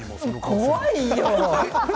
怖いよ。